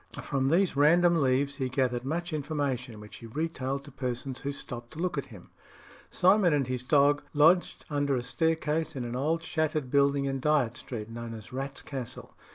From these random leaves he gathered much information, which he retailed to persons who stopped to look at him. Simon and his dog lodged under a staircase in an old shattered building in Dyot Street, known as "Rat's Castle."